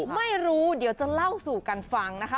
ไม่รู้เดี๋ยวจะเล่าสู่กันฟังนะคะ